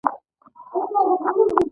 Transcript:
ایا د تیرولو ستونزه لرئ؟